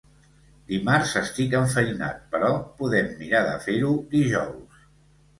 Dimarts estic enfeinat però podem mirar de fer-ho dijous.